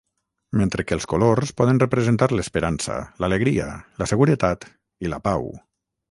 Mentre que els colors poden representar l'esperança, l'alegria, la seguretat i la pau.